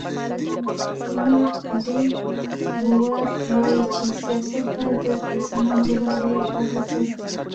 سیمون ډي بووار وایي چې سیاست باید د انسانانو د برابرۍ لپاره هڅه وکړي.